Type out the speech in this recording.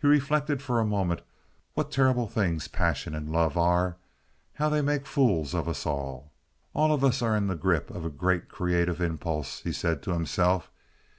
He reflected for a moment what terrible things passion and love are—how they make fools of us all. "All of us are in the grip of a great creative impulse," he said to himself.